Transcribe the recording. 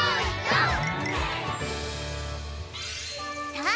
さあ